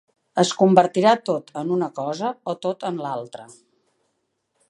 Es convertirà tot en una cosa o tot en l'altra.